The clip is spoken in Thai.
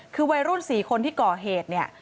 คือวัยรุ่น๔คนที่ก่อเหตุเนี่ย